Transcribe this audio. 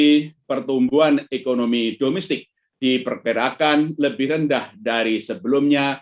di dalam negeri pertumbuhan ekonomi domestik diperkirakan lebih rendah dari sebelumnya